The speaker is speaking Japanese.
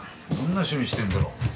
どんな趣味してんだろ？